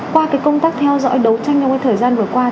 qua công tác theo dõi đấu tranh trong thời gian vừa qua